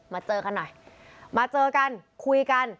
เจอกันหน่อยมาเจอกันคุยกัน